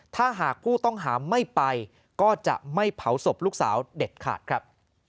ถ้าหากผู้ต้องหาไม่ไปก็จะไม่เผาศพลูกสาวเด็ดขาดครับ